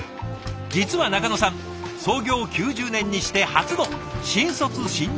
実は仲野さん創業９０年にして初の新卒新入社員。